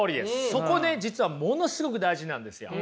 そこね実はものすごく大事なんですよ。